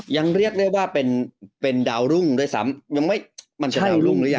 ยังเรียกได้ว่าเป็นดาวรุ่งด้วยซ้ำยังไม่มันจะดาวรุ่งหรือยัง